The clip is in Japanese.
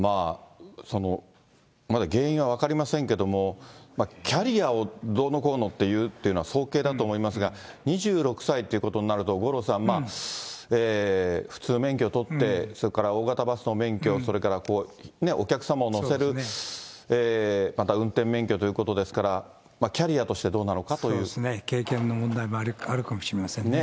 まだ原因は分かりませんけれども、キャリアをどうのこうのっていうのは早計だと思いますが、２６歳ということになると、五郎さん、普通免許取って、それから大型バスの免許、それからお客様を乗せる、また運転免許ということですから、そうですね、経験の問題もあるかもしれませんね。